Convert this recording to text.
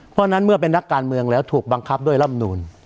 เพราะฉะนั้นเมื่อเป็นนักการเมืองแล้วถูกบังคับด้วยร่ำนูน